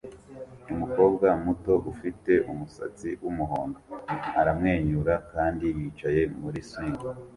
Umukobwa muto ufite umusatsi wumuhondo aramwenyura kandi yicaye muri swing